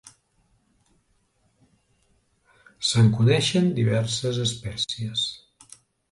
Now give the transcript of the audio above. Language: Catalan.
Se'n coneixen diverses espècies.